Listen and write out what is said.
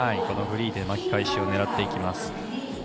このフリーで巻き返しを狙っていきます。